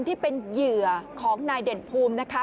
ที่เป็นเหยื่อของนายเด่นภูมินะคะ